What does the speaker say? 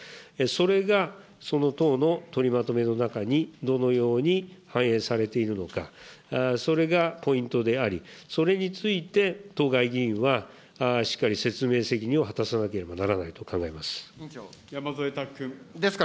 それがその党の取りまとめの中に、どのように反映されているのか、それがポイントであり、それについて、当該議員はしっかり説明責任を果たさなければならないと考えます。